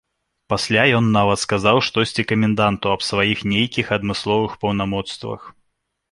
Пасля ён нават сказаў штосьці каменданту аб сваіх нейкіх адмысловых паўнамоцтвах.